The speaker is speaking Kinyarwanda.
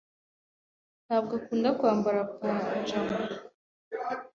ntabwo akunda kwambara pajama.